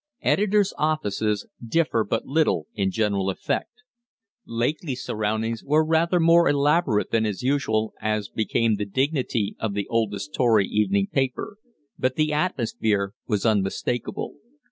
Editors' offices differ but little in general effect. Lakely's surroundings were rather more elaborate than is usual, as became the dignity of the oldest Tory evening paper, but the atmosphere was unmistakable.